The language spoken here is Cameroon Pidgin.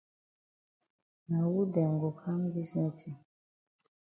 Na wu dem go kam dis meetin?